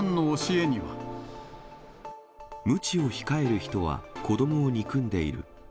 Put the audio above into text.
むちを控える人は子どもを憎んでいる。